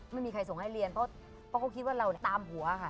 ไม่มีใครส่งให้เรียนเพราะเขาคิดว่าเราตามหัวค่ะ